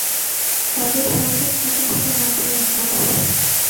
তাদের সংসার টিকে ছিল মাত্র এক মাস।